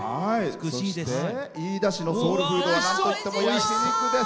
飯田市のソウルフードはなんといっても焼き肉です。